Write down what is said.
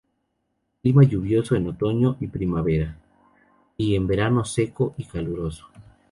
Clima: lluvioso en otoño y primavera; y en verano seco y caluroso.